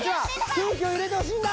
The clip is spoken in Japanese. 空気を入れてほしいんだ！